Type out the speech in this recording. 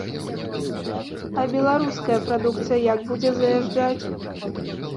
А беларуская прадукцыя як будзе заязджаць?